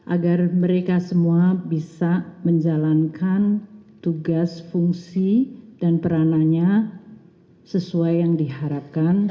agar mereka semua bisa menjalankan tugas fungsi dan peranannya sesuai yang diharapkan